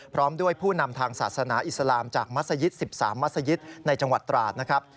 พร้อมด้วยผู้นำทางศาสนาอิสลามจากมัศยิต๑๓มัศยิตในจังหวัดตราดนะครับ